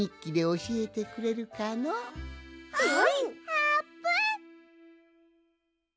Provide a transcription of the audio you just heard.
あーぷん！